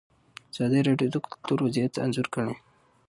ازادي راډیو د کلتور وضعیت انځور کړی.